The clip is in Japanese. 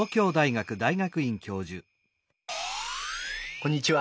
こんにちは。